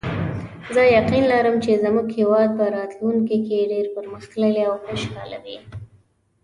زه یقین لرم چې زموږ هیواد به راتلونکي کې ډېر پرمختللی او خوشحاله وي